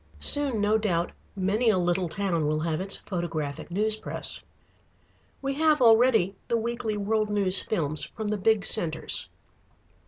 Soon, no doubt, many a little town will have its photographic news press. We have already the weekly world news films from the big centres.